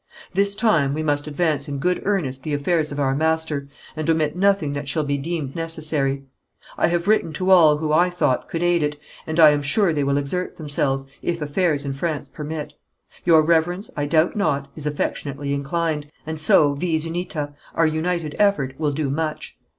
This time we must advance in good earnest the affairs of our Master, and omit nothing that shall be deemed necessary. I have written to all who, I thought, could aid it, and I am sure they will exert themselves, if affairs in France permit. Your Reverence, I doubt not, is affectionately inclined, and so vis unita, our united effort, will do much.